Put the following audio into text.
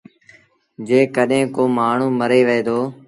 جيڪڏهين ڪو مآڻهوٚٚݩ مري وهي دو